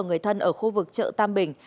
người thân ở khu vực chợ tam bình